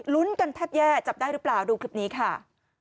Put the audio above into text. ลุ้นกันแทบแย่จับได้หรือเปล่าดูคลิปนี้ค่ะ